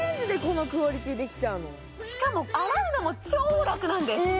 しかも洗うのも超楽なんです